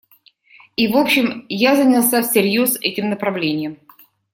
И, в общем, я занялся всерьез этим направлением.